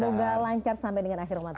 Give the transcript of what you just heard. semoga lancar sampai dengan akhir ramadan